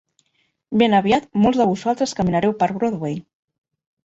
Ben aviat molts de vosaltres caminareu per Broadway.